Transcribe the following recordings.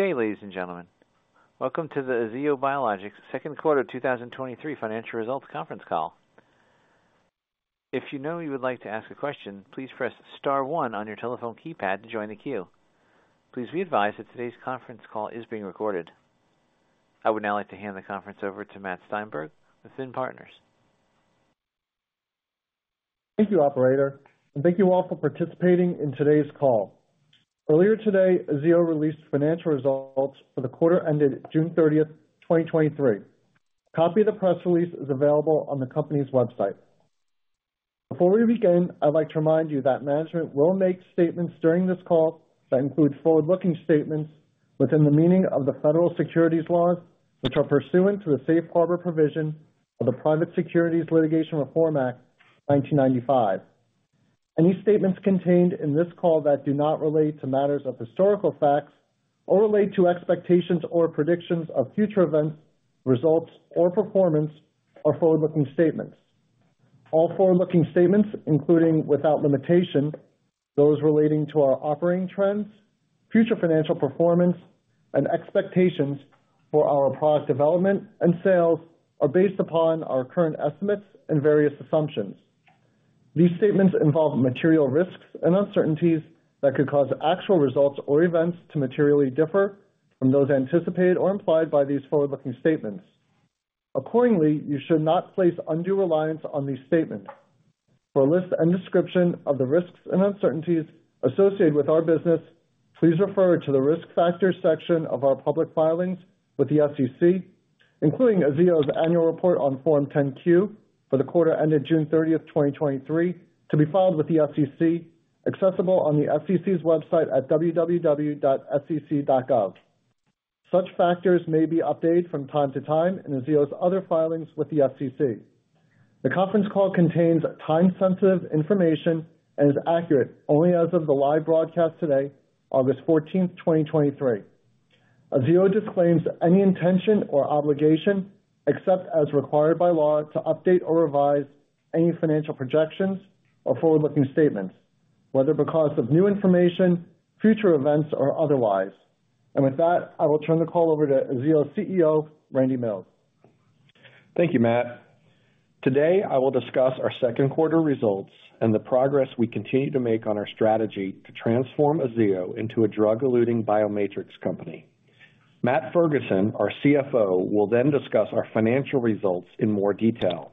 Good day, ladies and gentlemen. Welcome to the Aziyo Biologics second quarter 2023 financial results conference call. If you know you would like to ask a question, please press star one on your telephone keypad to join the queue. Please be advised that today's conference call is being recorded. I would now like to hand the conference over to Matt Steinberg with FINN Partners. Thank you, operator, and thank you all for participating in today's call. Earlier today, Aziyo released financial results for the quarter ended June 30, 2023. A copy of the press release is available on the company's website. Before we begin, I'd like to remind you that management will make statements during this call that include forward-looking statements within the meaning of the Federal securities laws, which are pursuant to the safe harbor provision of the Private Securities Litigation Reform Act of 1995. Any statements contained in this call that do not relate to matters of historical facts or relate to expectations or predictions of future events, results, or performance are forward-looking statements. All forward-looking statements, including without limitation, those relating to our operating trends, future financial performance, and expectations for our product development and sales, are based upon our current estimates and various assumptions. These statements involve material risks and uncertainties that could cause actual results or events to materially differ from those anticipated or implied by these forward-looking statements. Accordingly, you should not place undue reliance on these statements. For a list and description of the risks and uncertainties associated with our business, please refer to the Risk Factors section of our public filings with the SEC, including Aziyo's annual report on Form 10-Q for the quarter ended June 30, 2023, to be filed with the SEC, accessible on the SEC's website at www.sec.gov. Such factors may be updated from time to time in Aziyo's other filings with the SEC. The conference call contains time-sensitive information and is accurate only as of the live broadcast today, August 14, 2023. Aziyo disclaims any intention or obligation, except as required by law, to update or revise any financial projections or forward-looking statements, whether because of new information, future events, or otherwise. With that, I will turn the call over to Aziyo CEO, Randy Mills. Thank you, Matt. Today, I will discuss our second quarter results and the progress we continue to make on our strategy to transform Aziyo into a drug-eluting biomatrix company. Matt Ferguson, our CFO, will discuss our financial results in more detail.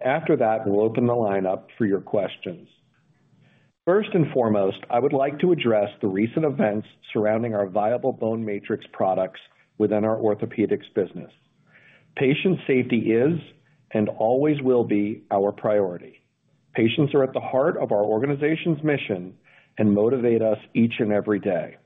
After that, we'll open the line up for your questions. First and foremost, I would like to address the recent events surrounding our viable bone matrix products within our orthopedics business. Patient safety is and always will be our priority. Patients are at the heart of our organization's mission and motivate us each and every day.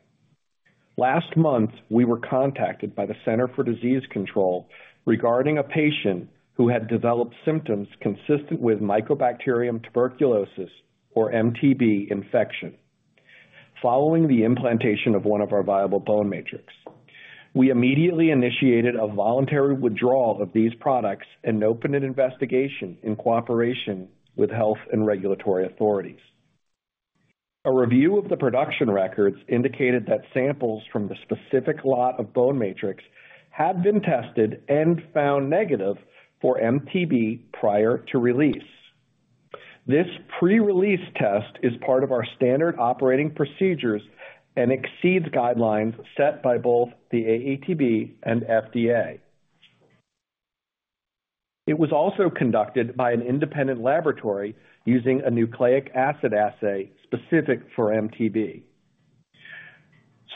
Last month, we were contacted by the Center for Disease Control regarding a patient who had developed symptoms consistent with Mycobacterium tuberculosis, or MTB, infection following the implantation of one of our viable bone matrix. We immediately initiated a voluntary withdrawal of these products and opened an investigation in cooperation with health and regulatory authorities. A review of the production records indicated that samples from the specific lot of bone matrix had been tested and found negative for MTB prior to release. This pre-release test is part of our standard operating procedures and exceeds guidelines set by both the AATB and FDA. It was also conducted by an independent laboratory using a nucleic acid assay specific for MTB.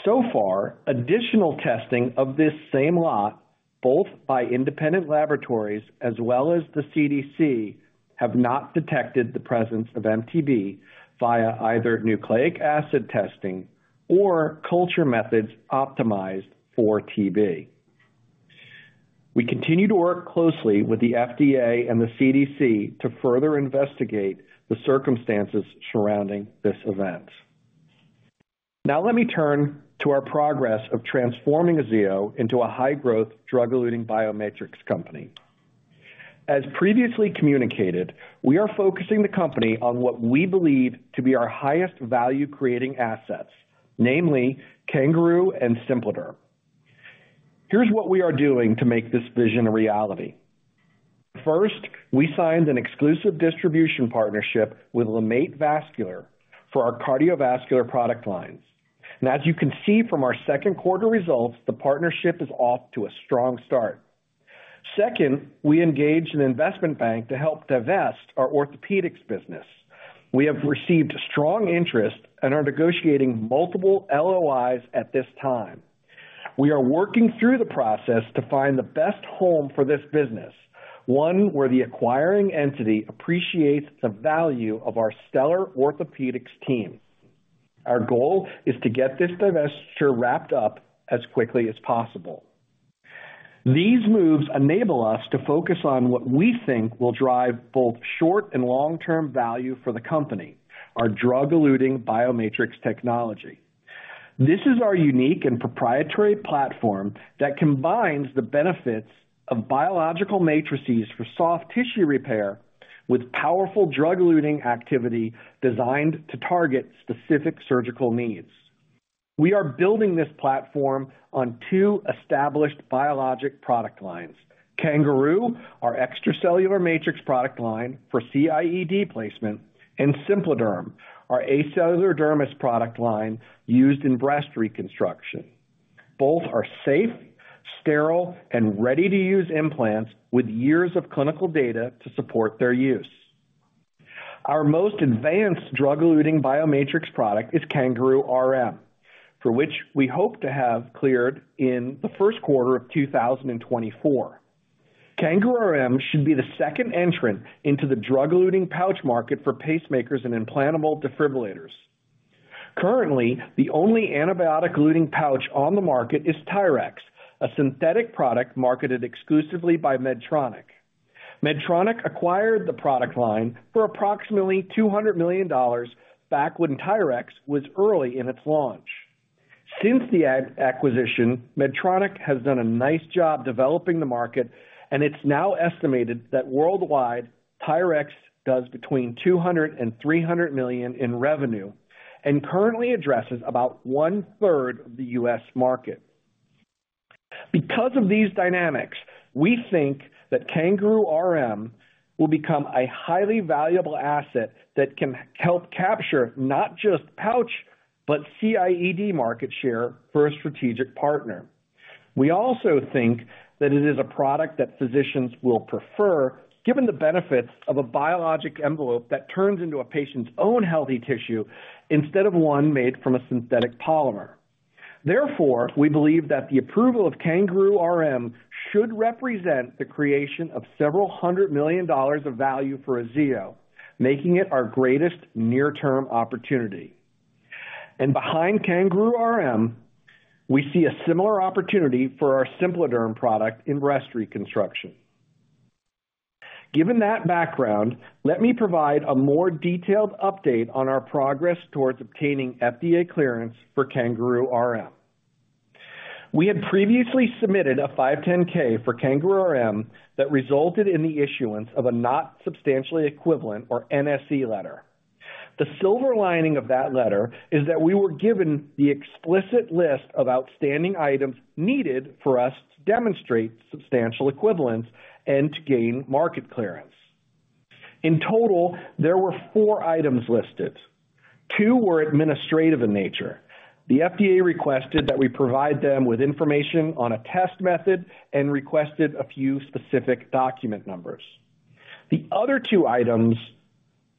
So far, additional testing of this same lot, both by independent laboratories as well as the CDC, have not detected the presence of MTB via either nucleic acid testing or culture methods optimized for TB. We continue to work closely with the FDA and the CDC to further investigate the circumstances surrounding this event. Let me turn to our progress of transforming Aziyo into a high-growth, drug-eluting biomatrix company. As previously communicated, we are focusing the company on what we believe to be our highest value-creating assets, namely, CanGaroo and SimpliDerm. Here's what we are doing to make this vision a reality. First, we signed an exclusive distribution partnership with LeMaitre Vascular for our cardiovascular product lines. As you can see from our second quarter results, the partnership is off to a strong start. Second, we engaged an investment bank to help divest our orthopedics business. We have received strong interest and are negotiating multiple LOIs at this time. We are working through the process to find the best home for this business, one where the acquiring entity appreciates the value of our stellar orthopedics team. Our goal is to get this divestiture wrapped up as quickly as possible. These moves enable us to focus on what we think will drive both short and long-term value for the company, our drug-eluting biomatrix technology. This is our unique and proprietary platform that combines the benefits of biological matrices for soft tissue repair with powerful drug-eluting activity designed to target specific surgical needs. We are building this platform on two established biologic product lines, CanGaroo, our extracellular matrix product line for CIED placement, and SimpliDerm, our acellular dermis product line used in breast reconstruction. Both are safe, sterile, and ready-to-use implants with years of clinical data to support their use. Our most advanced drug-eluting biomatrix product is CanGaroo RM, for which we hope to have cleared in the first quarter of 2024. CanGaroo RM should be the second entrant into the drug-eluting pouch market for pacemakers and implantable defibrillators. Currently, the only antibiotic-eluting pouch on the market is TYRX, a synthetic product marketed exclusively by Medtronic. Medtronic acquired the product line for approximately $200 million back when TYRX was early in its launch. Since the acquisition, Medtronic has done a nice job developing the market, and it's now estimated that worldwide, TYRX does between $200 million and $300 million in revenue and currently addresses about one-third of the U.S. market. Because of these dynamics, we think that CanGaroo RM will become a highly valuable asset that can help capture not just pouch, but CIED market share for a strategic partner. We also think that it is a product that physicians will prefer, given the benefits of a biologic envelope that turns into a patient's own healthy tissue instead of one made from a synthetic polymer. Therefore, we believe that the approval of CanGaroo RM should represent the creation of several hundred million dollars of value for Aziyo, making it our greatest near-term opportunity. Behind CanGaroo RM, we see a similar opportunity for our SimpliDerm product in breast reconstruction. Given that background, let me provide a more detailed update on our progress towards obtaining FDA clearance for CanGaroo RM. We had previously submitted a 510(k) for CanGaroo RM that resulted in the issuance of a Not Substantially Equivalent, or NSE letter. The silver lining of that letter is that we were given the explicit list of outstanding items needed for us to demonstrate substantial equivalence and to gain market clearance. In total, there were four items listed. Two were administrative in nature. The FDA requested that we provide them with information on a test method and requested a few specific document numbers. The other two items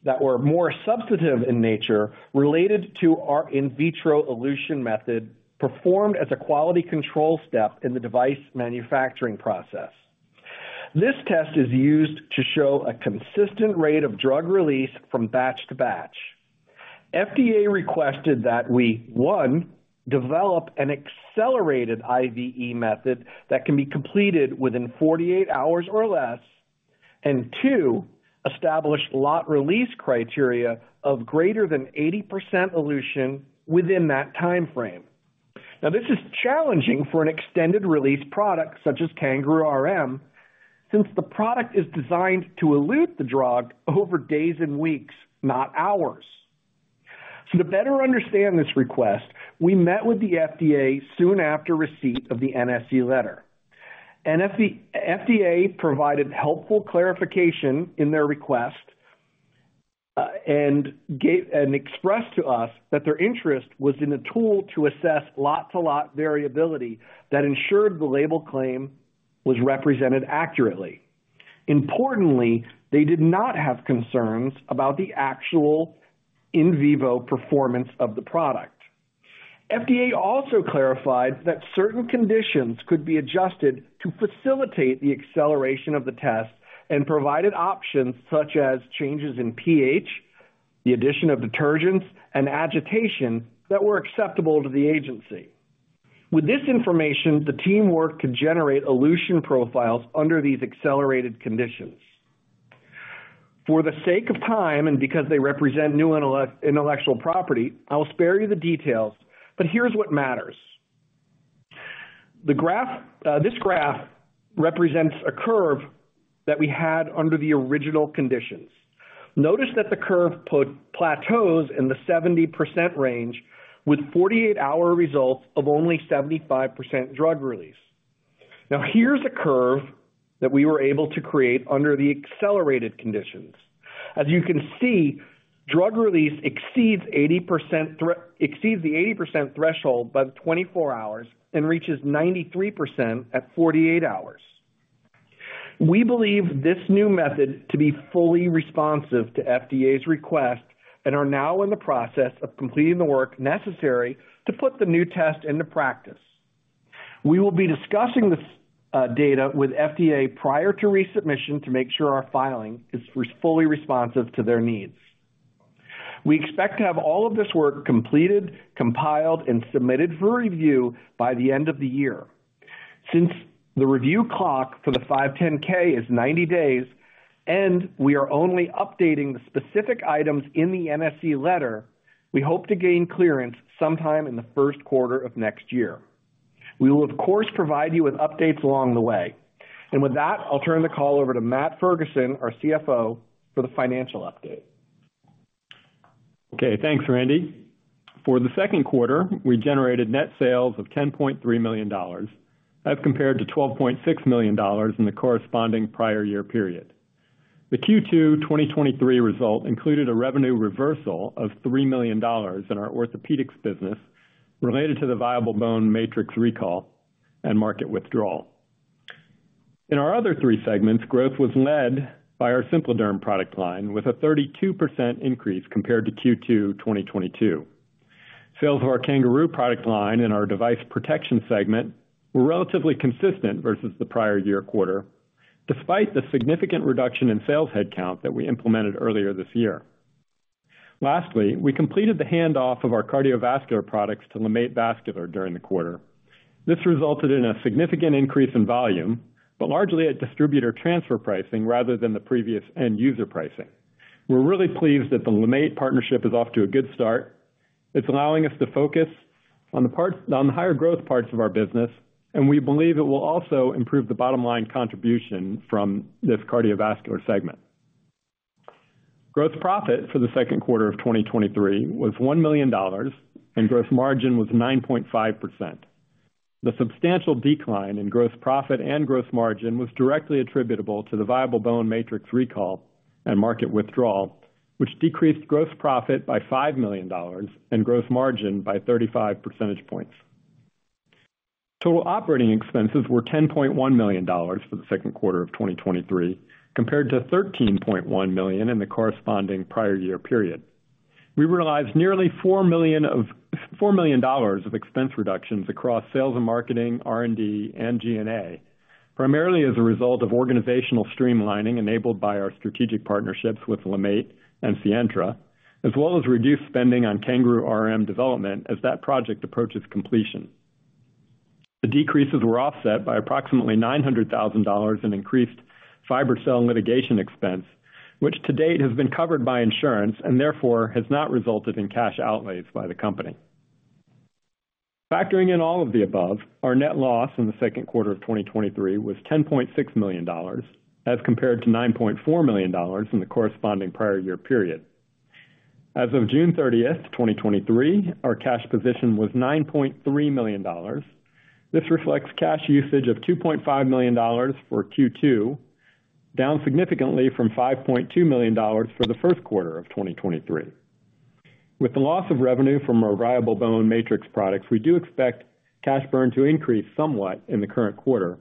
that were more substantive in nature related to our in vitro elution method, performed as a quality control step in the device manufacturing process. This test is used to show a consistent rate of drug release from batch to batch. FDA requested that we, one, develop an accelerated IVE method that can be completed within 48 hours or less, and two, establish lot release criteria of greater than 80% elution within that time frame. Now, this is challenging for an extended-release product such as CanGaroo RM, since the product is designed to elute the drug over days and weeks, not hours. To better understand this request, we met with the FDA soon after receipt of the NSE letter. The FDA provided helpful clarification in their request and expressed to us that their interest was in a tool to assess lot-to-lot variability that ensured the label claim was represented accurately. Importantly, they did not have concerns about the actual in vivo performance of the product. FDA also clarified that certain conditions could be adjusted to facilitate the acceleration of the test and provided options such as changes in pH, the addition of detergents and agitation that were acceptable to the agency. With this information, the team worked to generate elution profiles under these accelerated conditions. For the sake of time, and because they represent new intellectual property, I will spare you the details, but here's what matters. The graph, this graph represents a curve that we had under the original conditions. Notice that the curve plateaus in the 70% range, with 48-hour results of only 75% drug release. Now, here's a curve that we were able to create under the accelerated conditions. As you can see, drug release exceeds the 80% threshold by 24 hours and reaches 93% at 48 hours. We believe this new method to be fully responsive to FDA's request and are now in the process of completing the work necessary to put the new test into practice. We will be discussing this data with FDA prior to resubmission to make sure our filing is fully responsive to their needs. We expect to have all of this work completed, compiled, and submitted for review by the end of the year. Since the review clock for the 510(k) is 90 days, and we are only updating the specific items in the NSE letter, we hope to gain clearance sometime in the first quarter of next year. We will, of course, provide you with updates along the way. With that, I'll turn the call over to Matt Ferguson, our CFO, for the financial update. Okay, thanks, Randy. For the second quarter, we generated net sales of $10.3 million. That's compared to $12.6 million in the corresponding prior-year period. The Q2 2023 result included a revenue reversal of $3 million in our orthopedics business, related to the viable bone matrix recall and market withdrawal. In our other three segments, growth was led by our SimpliDerm product line, with a 32% increase compared to Q2 2022. Sales of our CanGaroo product line in our device protection segment were relatively consistent versus the prior-year quarter, despite the significant reduction in sales headcount that we implemented earlier this year. Lastly, we completed the handoff of our cardiovascular products to LeMaitre Vascular during the quarter. This resulted in a significant increase in volume, but largely at distributor transfer pricing rather than the previous end-user pricing. We're really pleased that the LeMaitre partnership is off to a good start. It's allowing us to focus on the higher growth parts of our business, we believe it will also improve the bottom line contribution from this cardiovascular segment. Gross profit for the second quarter of 2023 was $1 million, gross margin was 9.5%. The substantial decline in gross profit and gross margin was directly attributable to the viable bone matrix recall and market withdrawal, which decreased gross profit by $5 million and gross margin by 35 percentage points. Total operating expenses were $10.1 million for the second quarter of 2023, compared to $13.1 million in the corresponding prior-year period. We realized nearly $4 million of expense reductions across sales and marketing, R&D, and G&A, primarily as a result of organizational streamlining enabled by our strategic partnerships with LeMaitre and Sientra, as well as reduced spending on CanGaroo RM development as that project approaches completion. The decreases were offset by approximately $900,000 in increased FiberCel litigation expense, which to date has been covered by insurance and therefore has not resulted in cash outlays by the company. Factoring in all of the above, our net loss in the second quarter of 2023 was $10.6 million, as compared to $9.4 million in the corresponding prior-year period. As of June 30th, 2023, our cash position was $9.3 million. This reflects cash usage of $2.5 million for Q2, down significantly from $5.2 million for the first quarter of 2023. With the loss of revenue from our viable bone matrix products, we do expect cash burn to increase somewhat in the current quarter,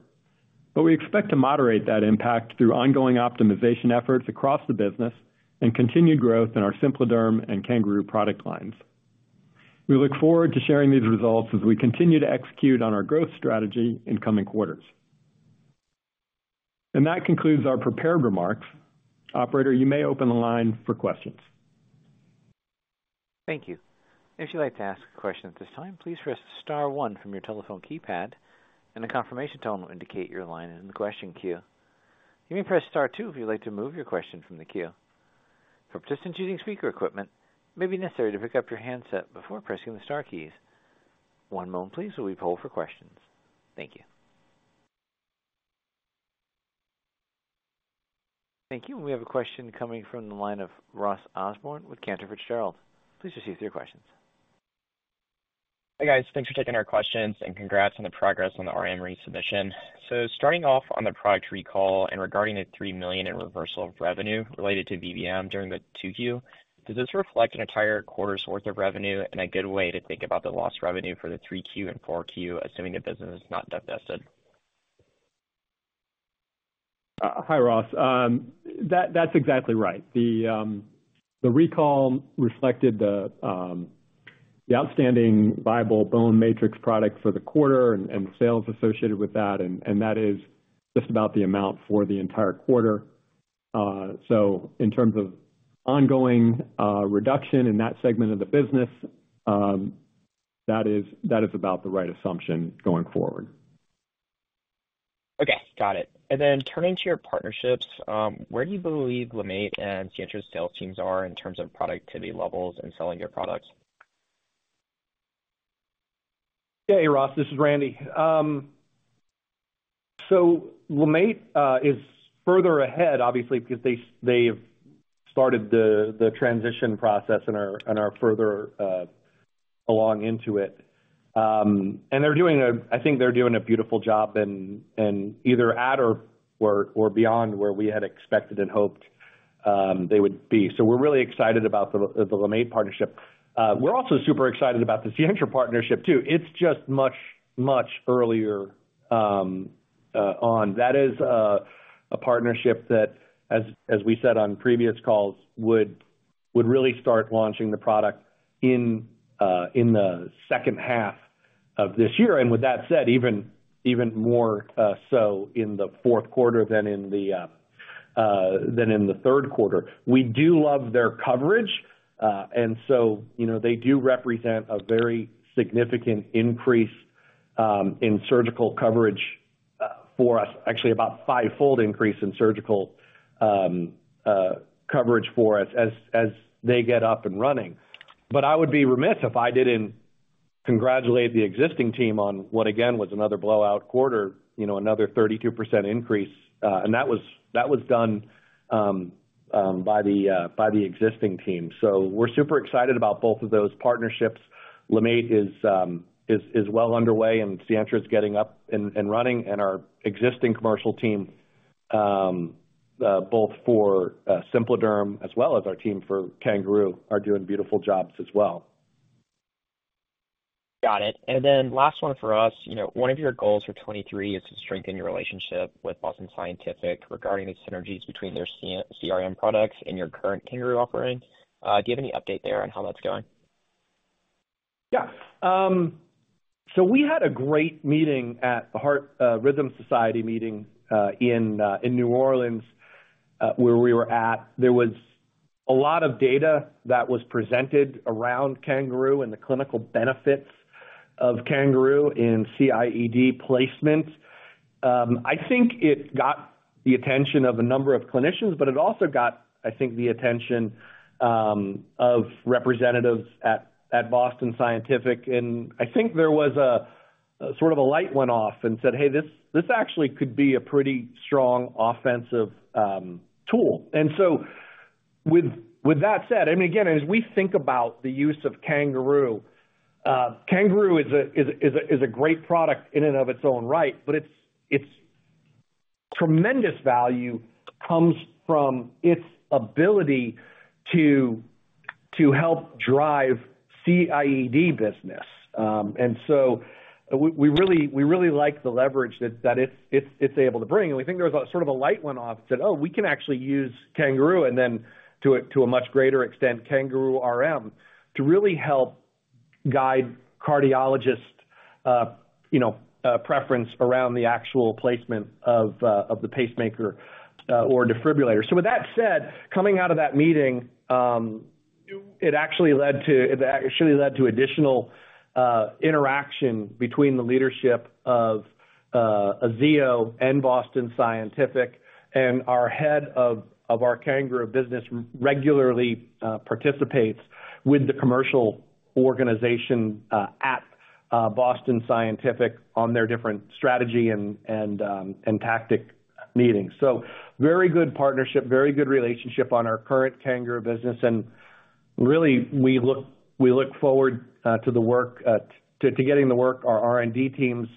but we expect to moderate that impact through ongoing optimization efforts across the business and continued growth in our SimpliDerm and CanGaroo product lines. We look forward to sharing these results as we continue to execute on our growth strategy in coming quarters. That concludes our prepared remarks. Operator, you may open the line for questions. Thank you. If you'd like to ask a question at this time, please press star one from your telephone keypad, and a confirmation tone will indicate you're in line in the question queue. You may press star two if you'd like to remove your question from the queue. For participants using speaker equipment, it may be necessary to pick up your handset before pressing the star keys. One moment please, while we poll for questions. Thank you. Thank you. We have a question coming from the line of Ross Osborn with Cantor Fitzgerald. Please proceed with your questions. Hi, guys. Thanks for taking our questions, and congrats on the progress on the RM resubmission. Starting off on the product recall and regarding the $3 million in reversal of revenue related to VBM during the Q2, does this reflect an entire quarter's worth of revenue and a good way to think about the lost revenue for the Q3 and Q4, assuming the business is not divested? Hi, Ross. That's exactly right. The recall reflected the outstanding viable bone matrix product for the quarter and the sales associated with that, and that is just about the amount for the entire quarter. In terms of ongoing reduction in that segment of the business, that is about the right assumption going forward. Okay, got it. Then turning to your partnerships, where do you believe LeMaitre and Sientra's sales teams are in terms of productivity levels and selling your products? Hey Ross, this is Randy. So LeMaitre is further ahead, obviously, because they've started the transition process and are, and are further along into it. They're doing a I think they're doing a beautiful job and either at or beyond where we had expected and hoped they would be. We're really excited about the LeMaitre partnership. We're also super excited about the Sientra partnership, too. It's just much, much earlier on. That is a partnership that, as we said on previous calls, would really start launching the product in the second half of this year. With that said, even more so in the fourth quarter than in the third quarter. We do love their coverage, and so, you know, they do represent a very significant increase in surgical coverage for us, actually about fivefold increase in surgical coverage for us as they get up and running. I would be remiss if I didn't congratulate the existing team on what again, was another blowout quarter, you know, another 32% increase. That was done by the existing team. We're super excited about both of those partnerships. LeMaitre is well underway, and Sientra is getting up and running, and our existing commercial team, both for SimpliDerm as well as our team for CanGaroo, are doing beautiful jobs as well. Got it. Then last one for us. You know, one of your goals for 2023 is to strengthen your relationship with Boston Scientific regarding the synergies between their CRM products and your current CanGaroo offerings. Do you have any update there on how that's going? Yeah. We had a great meeting at the Heart Rhythm Society meeting in New Orleans where we were at. There was a lot of data that was presented around CanGaroo and the clinical benefits of CanGaroo in CIED placements. I think it got the attention of a number of clinicians, but it also got, I think, the attention of representatives at Boston Scientific. I think there was a, sort of a light went off and said, "Hey, this, this actually could be a pretty strong offensive tool." With that said, I mean, again, as we think about the use of CanGaroo, CanGaroo is a great product in and of its own right, but its tremendous value comes from its ability to help drive CIED business. We really like the leverage that it's able to bring, and we think there was a sort of a light went off and said, "Oh, we can actually use CanGaroo," and then to a much greater extent, CanGaroo RM, to really help guide cardiologists, you know, preference around the actual placement of the pacemaker or defibrillator. With that said, coming out of that meeting, it actually led to, it actually led to additional, interaction between the leadership of Aziyo and Boston Scientific, and our head of our CanGaroo business regularly, participates with the commercial organization at Boston Scientific on their different strategy and tactic meetings. Very good partnership, very good relationship on our current CanGaroo business, and really we look forward to getting the work our R&D teams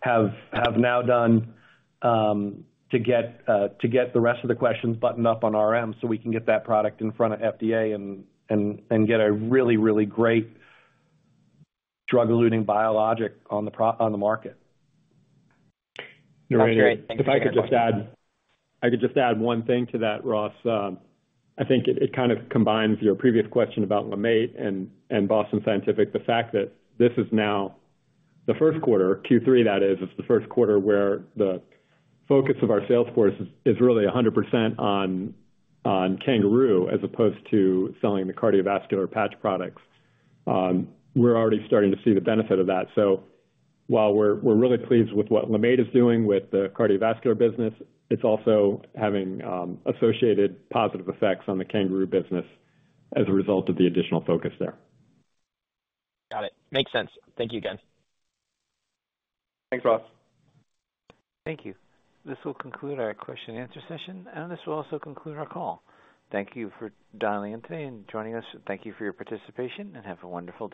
have now done, to get the rest of the questions buttoned up on RM so we can get that product in front of FDA and get a really great drug-eluting biologic on the market. Great. Thank you. If I could just add, I could just add one thing to that, Ross. I think it kind of combines your previous question about LeMaitre and, and Boston Scientific. The fact that this is now the first quarter, Q3, that is, it's the first quarter where the focus of our sales force is really 100% on CanGaroo, as opposed to selling the cardiovascular patch products. We're already starting to see the benefit of that. So while we're really pleased with what LeMaitre is doing with the cardiovascular business, it's also having, associated positive effects on the CanGaroo business as a result of the additional focus there. Got it. Makes sense. Thank you again. Thanks, Ross. Thank you. This will conclude our question and answer session. This will also conclude our call. Thank you for dialing in today and joining us. Thank you for your participation. Have a wonderful day.